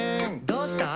「どうした？」